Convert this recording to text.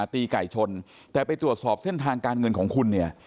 ตีไก่ชนแต่ไปตรวจสอบเส้นทางการเงินของคุณเนี่ย